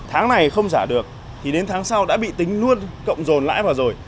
tháng này không giả được thì đến tháng sau đã bị tính luôn cộng dồn lãi vào rồi